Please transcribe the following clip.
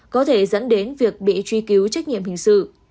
có thể dẫn đến việc bị truy cứu trách nhiệm hình sự